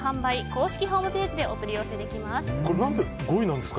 公式ホームページでお取り寄せできます。